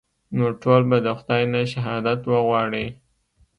نو ټول به د خداى نه شهادت وغواړئ.